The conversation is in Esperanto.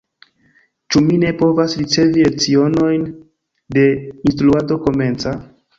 Ĉu mi ne povas ricevi lecionojn de instruado komenca?